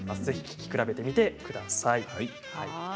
ぜひ聴き比べてみてください。